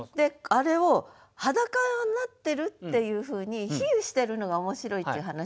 あれを裸になってるっていうふうに比喩してるのが面白いっていう話なの。